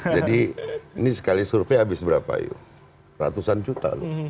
jadi ini sekali survei habis berapa yuh ratusan juta loh